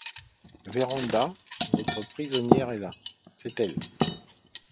Vérand'a, votre prisonnière, elle s’est…